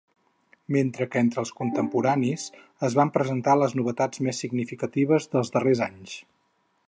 Mentre que entre els contemporanis es van presentar les novetats més significatives dels darrers anys.